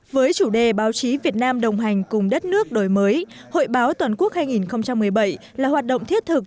với chủ đề báo chí việt nam đồng hành cùng đất nước đổi mới hội báo toàn quốc hai nghìn một mươi bảy là hoạt động thiết thực